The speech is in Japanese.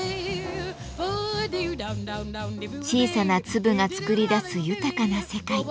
小さな粒が作り出す豊かな世界。